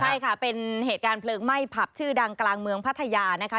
ใช่ค่ะเป็นเหตุการณ์เพลิงไหม้ผับชื่อดังกลางเมืองพัทยานะคะ